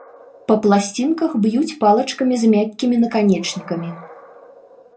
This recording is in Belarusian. Па пласцінках б'юць палачкамі з мяккімі наканечнікамі.